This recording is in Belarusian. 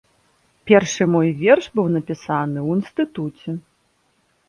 Першы мой верш быў напісаны ў інстытуце.